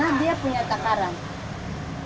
karena dia punya takaran